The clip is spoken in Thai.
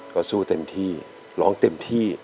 ก็สู้เต็มที่ร้องเต็มที่